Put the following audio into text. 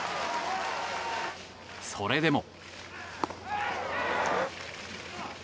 それでも。